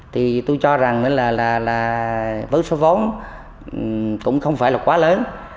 thì tôi cho rằng là với số vốn cũng không phải là quá lớn